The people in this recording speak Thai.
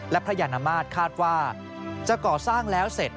และพระยานมาตรคาดว่าจะก่อสร้างแล้วเสร็จ